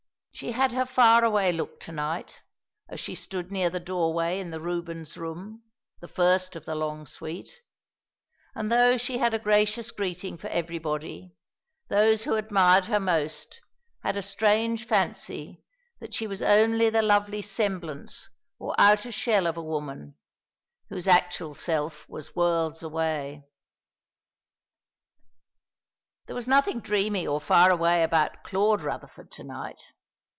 She had her far away look to night, as she stood near the doorway in the Rubens room, the first of the long suite; and though she had a gracious greeting for everybody, those who admired her most had a strange fancy that she was only the lovely semblance or outer shell of a woman, whose actual self was worlds away. There was nothing dreamy or far away about Claude Rutherford to night.